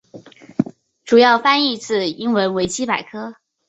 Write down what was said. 主要翻译自英文维基百科。